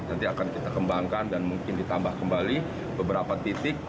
nanti akan kita kembangkan dan mungkin ditambah kembali beberapa titik